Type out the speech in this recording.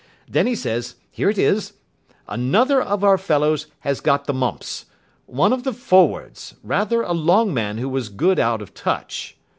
Then he says here it is, 'Another of our fellows has got the mumps. One of the forwards; rather a long man who was good out of touch.